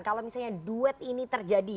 kalau misalnya duet ini terjadi